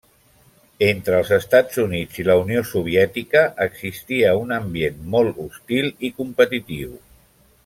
Entre els Estats Units i la Unió Soviètica existia un ambient molt hostil i competitiu.